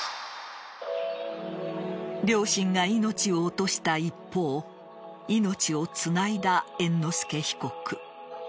両親が命を落とした一方命をつないだ猿之助被告。